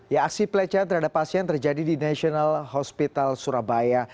ya aksi pelecehan terhadap pasien terjadi di national hospital surabaya